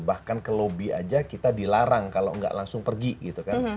bahkan ke lobby aja kita dilarang kalau nggak langsung pergi gitu kan